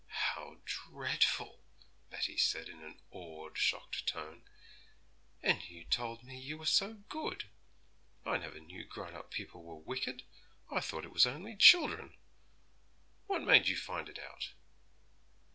'How dreadful!' Betty said in an awed, shocked tone; 'and you told me you were so good! I never knew grown up people were wicked; I thought it was only children. What made you find it out?'